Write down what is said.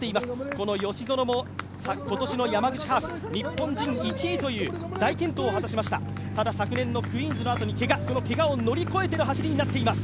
この吉薗も今年の山口ハーフ、日本人１位という大健闘を果たしました、ただ昨年のクイーンズのあとにけが、そのけがを乗り越えての走りになっています。